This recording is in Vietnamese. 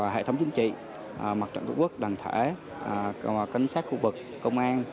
hệ thống chính trị mặt trận tổ quốc đoàn thể cảnh sát khu vực công an